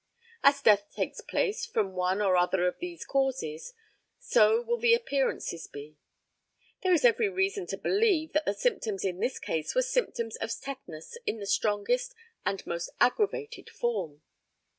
As death takes place from one or other of these causes, so will the appearances be. There is every reason to believe that the symptoms in this case were symptoms of tetanus in the strongest and most aggravated form.